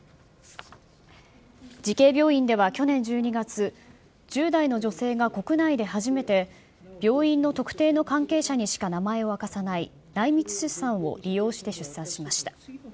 慈恵病院では去年１２月、１０代の女性が国内で初めて、病院の特定の関係者にしか名前を明かさない内密出産を利用して出産しました。